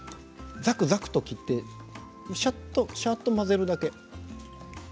ざくざくと切ってしゃっと混ぜるだけ。